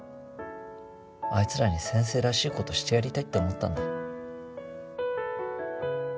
あいつらに先生らしいことしてやりたいって思ったんだ